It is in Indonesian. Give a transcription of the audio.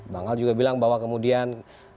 bang al juga bilang bahwa kemudian